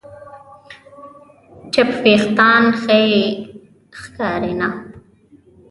چپ وېښتيان ښې ښکاري نه.